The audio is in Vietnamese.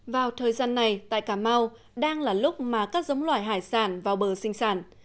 vào thời gian này tại cà mau đang là lúc mà các giống loài hải sản vào bờ sinh sản